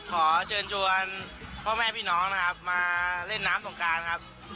ขอเชิญชวนพ่อแม่พี่น้องนะครับมาเล่นน้ำสงการครับ